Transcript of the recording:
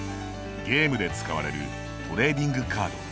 ゲームで使われるトレーディングカード。